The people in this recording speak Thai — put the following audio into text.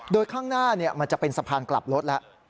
โดยข้างหน้ามันจะเป็นสะพานกลับรถแล้ว